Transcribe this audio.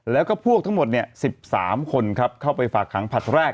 แล้วก็พวกทั้งหมด๑๓คนครับเข้าไปฝากขังผลัดแรก